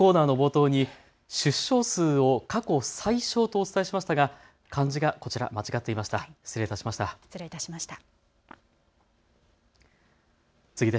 このコーナーの冒頭に出生数を過去最少とお伝えしましたが漢字がこちら間違っていました。